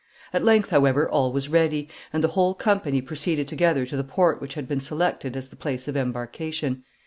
At length, however, all was ready, and the whole company proceeded together to the port which had been selected as the place of embarkation.